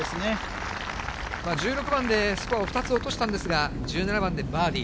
１６番でスコアを２つ落としたんですが、１７番でバーディー。